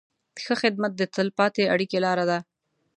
ښه خدمت د تل پاتې اړیکې لاره ده.